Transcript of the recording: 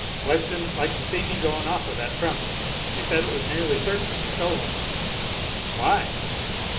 "Wife didn't like to see me going off with that trunk she said it was nearly certain to be stolen." "Why?" "Why?